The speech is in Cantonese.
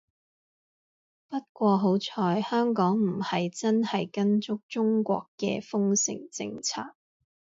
不過好彩香港唔係真係跟足中國啲封城政策